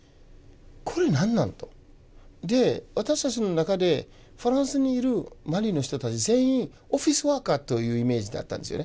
これ何なの？と。で私たちの中でフランスにいるマリの人たち全員オフィスワーカーというイメージだったんですよね。